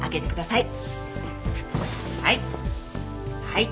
はい。